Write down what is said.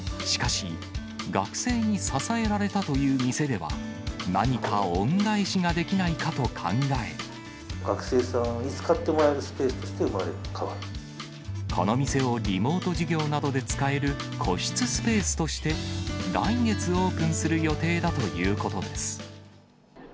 しかし、学生に支えられたという店では、学生さんに使ってもらえるスこの店をリモート授業などで使える個室スペースとして、来月オープンする予定だということです。